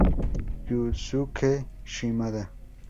Yusuke Shimada